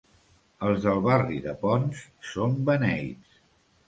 Els del barri de Ponts són beneits.